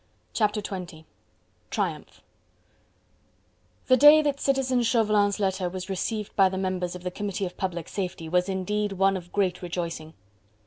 Chapter XX: Triumph The day that Citizen Chauvelin's letter was received by the members of the Committee of Public Safety was indeed one of great rejoicing.